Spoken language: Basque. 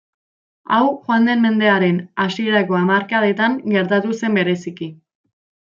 Hau joan den mendearen hasierako hamarkadetan gertatu zen bereziki.